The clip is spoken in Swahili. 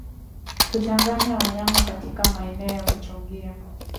Kuchanganya wanyama katika maeneo ya kuchungia